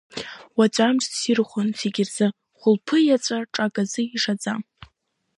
Уаҵәы амыш ссирхон зегьы рзы, хәылԥы-еҵәа ҽак азы ишаӡам.